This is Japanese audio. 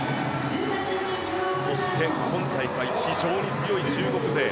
そして、今大会非常に強い中国勢。